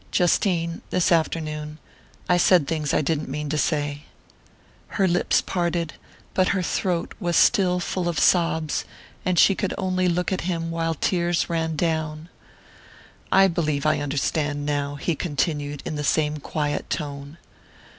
"Justine this afternoon I said things I didn't mean to say." Her lips parted, but her throat was still full of sobs, and she could only look at him while the tears ran down. "I believe I understand now," he continued, in the same quiet tone.